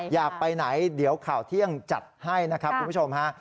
อยากไปไหนเดี๋ยวข่าวเที่ยงจัดให้นะครับคุณผู้ชมฮะ